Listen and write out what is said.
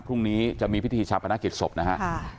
พรุ่งนี้จะมีพิธีชาปนกิจศพนะฮะ